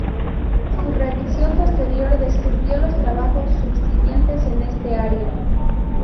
Una revisión posterior describió los trabajos subsiguientes en este área.